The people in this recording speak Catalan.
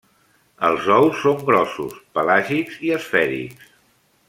Els ous són grossos, pelàgics i esfèrics.